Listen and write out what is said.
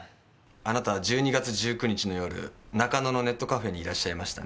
あなた１２月１９日の夜中野のネットカフェにいらっしゃいましたね？